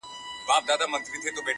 ماشومانو ته به کومي کیسې یوسي!!